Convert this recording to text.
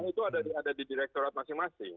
nah itu ada di direkturat masing masing